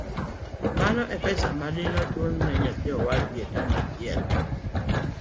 Mano e pesa madine ochula ne nyathi owagi e tam achiel.